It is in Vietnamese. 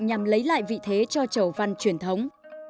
nhằm lấy lại vị thế cho chầu văn truyền thống